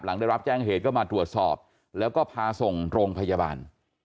หลังได้รับแจ้งเหตุก็มาตรวจสอบแล้วก็พาส่งโรงพยาบาล